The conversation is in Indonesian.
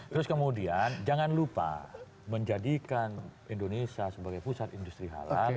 terus kemudian jangan lupa menjadikan indonesia sebagai pusat industri halal